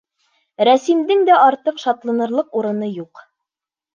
Рәсимдең дә артыҡ шатланырлыҡ урыны юҡ.